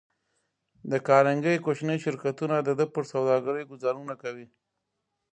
د کارنګي کوچني شرکتونه د ده پر سوداګرۍ ګوزارونه کوي